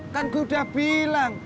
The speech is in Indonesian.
kan gua udah bilang